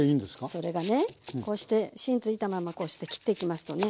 それがねこうして芯ついたままこうして切っていきますとね